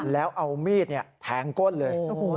แล้วเอามีดแทงก้นเลย